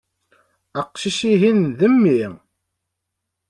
Aqcic-ihin, d mmi.